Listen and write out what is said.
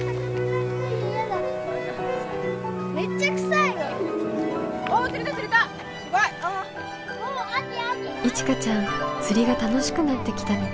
いちかちゃん釣りが楽しくなってきたみたい。